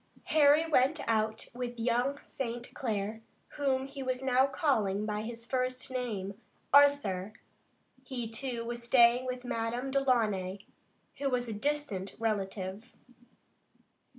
Harry went out with young St. Clair, whom he was now calling by his first name, Arthur. He, too, was staying with Madame Delaunay, who was a distant relative.